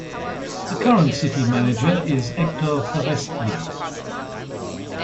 The current city manager is Hector Forestier.